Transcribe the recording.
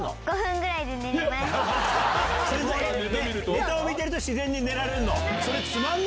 ネタを見てると自然に寝られるの？